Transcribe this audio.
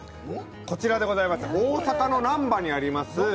大阪のなんばにあります